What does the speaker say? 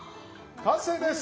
完成です！